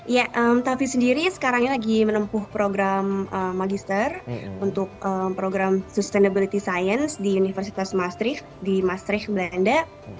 ya tavi sendiri sekarang ini lagi menempuh program magister untuk program sustainability science di universitas mastricht di mastricht belanda